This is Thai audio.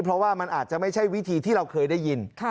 เพราะว่ามันอาจจะไม่ใช่วิธีที่เราเคยได้ยิน